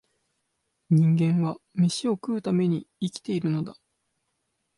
人間は、めしを食うために生きているのだ